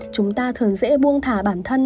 chúng ta thường dễ buông thả bản thân